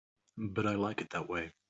But I like it that way.